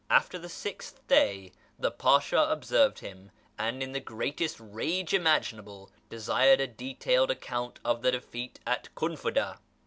After the sixth day the Pasha observed him, and in the greatest rage imaginable desired a detailed account of the defeat at Kunfudah.